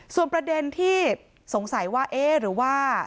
ส่วนประเด็นที่สงสัยว่าเอ๊ะหรือว่า